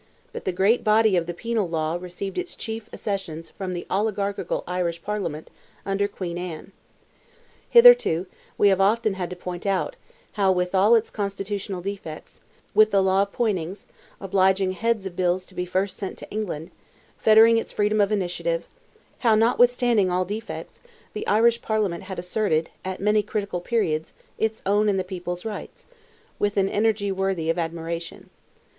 but the great body of the penal law received its chief accessions from the oligarchical Irish Parliament, under Queen Anne. Hitherto, we have often had to point out, how with all its constitutional defects—with the law of Poynings, obliging heads of bills to be first sent to England—fettering its freedom of initiative;—how, notwithstanding all defects, the Irish Parliament had asserted, at many critical periods, its own and the people's rights, with an energy worthy of admiration.